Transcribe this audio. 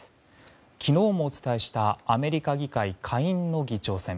昨日もお伝えしたアメリカ議会下院の議長選。